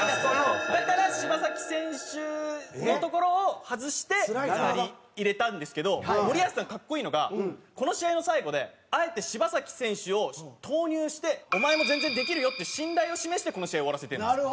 だから柴崎選手のところを外して２人入れたんですけど森保さん格好いいのがこの試合の最後であえて柴崎選手を投入してお前も全然できるよっていう信頼を示してこの試合を終わらせてるんですよ。